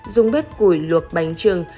dùng bếp củi luộc bánh trưng